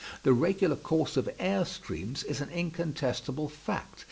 The regular course of air streams is an incontestable fact.